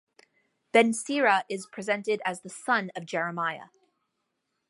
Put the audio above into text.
Ben Sira is presented as the son of Jeremiah.